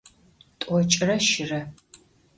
T'oç'ıre şıre.